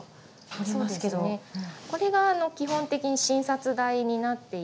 これが基本的に診察台になっていて。